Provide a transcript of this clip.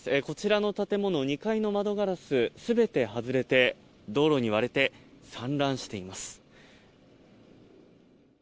こちらの建物２階の窓ガラス、全て外れて道路に割れて散乱しています。